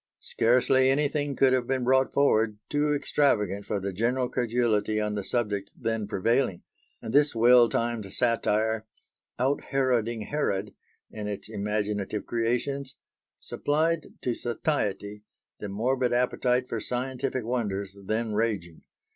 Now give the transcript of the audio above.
Scarcely anything could have been brought forward too extravagant for the general credulity on the subject then prevailing; and this well timed satire, "out heroding Herod" in its imaginative creations, supplied to satiety the morbid appetite for scientific wonders then raging.